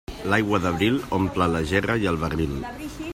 L'aigua d'abril omple la gerra i el barril.